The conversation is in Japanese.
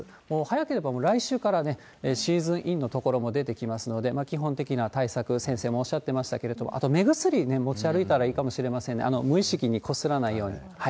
もう早ければ来週からシーズンインの所も出てきますので、基本的な対策、先生もおっしゃってましたけれども、あと目薬ね、持ち歩いたらいいかもしれませんね、無意識にこすらないように。